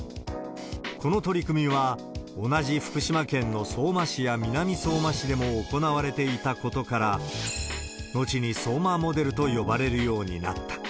この取り組みは同じ福島県の相馬市や南相馬市でも行われていたことから、後に、相馬モデルと呼ばれるようになった。